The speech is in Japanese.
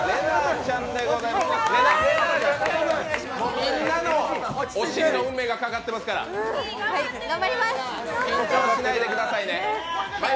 みんなのお尻の運命がかかってますから、緊張しないでくださいね。